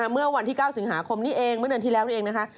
เมื่อวันที่๙สิงหาคมนี้เองเมื่อเดือนที่แล้วนี่เองนะคะ